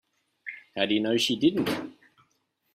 How do you know she didn't?